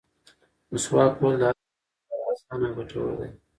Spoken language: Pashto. مسواک وهل د هر چا لپاره اسانه او ګټور دي.